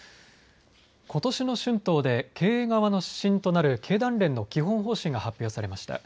ことしの春闘で経営側の指針となる経団連の基本方針が発表されました。